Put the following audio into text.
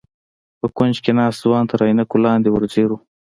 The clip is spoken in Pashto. په کونج کې ناست ځوان تر عينکو لاندې ور ځير و.